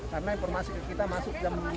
karena informasi kita masuk jam tiga delapan belas